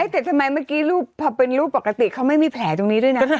แต่ทำไมเมื่อกี้รูปพอเป็นรูปปกติเขาไม่มีแผลตรงนี้ด้วยนะ